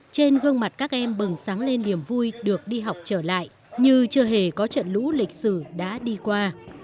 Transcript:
trên gương mặt các em bừng sáng lên niềm vui được đi học trở lại như chưa hề có trận lũ lịch sử đã đi qua